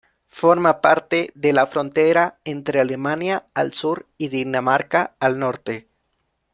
Forma parte de la frontera entre Alemania al sur y Dinamarca al norte.